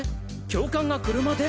教官が車で？